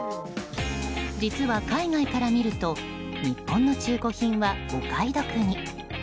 実は海外から見ると日本の中古品はお買い得に。